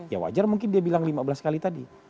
ya wajar mungkin dia bilang lima belas kali tadi